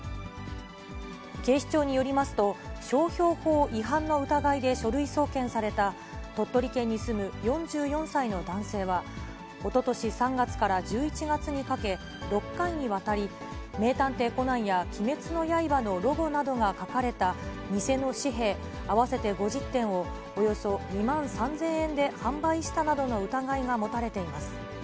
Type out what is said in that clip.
警視庁によりますと、商標法違反の疑いで書類送検された鳥取県に住む４４歳の男性は、おととし３月から１１月にかけ、６回にわたり、名探偵コナンや鬼滅の刃のロゴなどが描かれた偽の紙幣合わせて５０点をおよそ２万３０００円で販売したなどの疑いが持たれています。